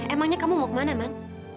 emangnya kamu mau kemana man